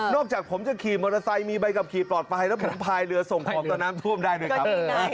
จากผมจะขี่มอเตอร์ไซค์มีใบขับขี่ปลอดภัยแล้วผมพายเรือส่งของต่อน้ำท่วมได้ด้วยครับ